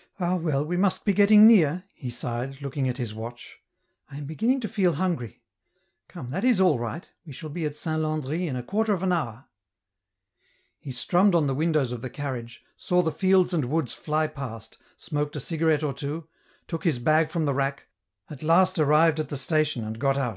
" Ah well I we must be getting near," he sighed, looking at his watch, " I am beginning to feel hungry ; come, that is all right, we shall be at Saint Landry in a quarter of an hour." He strummed on the windows of the carriage, saw the fields and woods fly past, smoked a cigarette or two, took his bag from the rack, at last arrived at the station and got out.